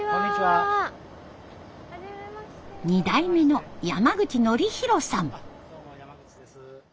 二代目の山口典宏さん。